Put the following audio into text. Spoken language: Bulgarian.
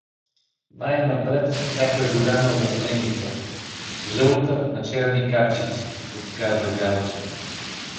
Най-напред — някоя голяма въсеница… — Жълта, на черни капчици — подсказа Галчев.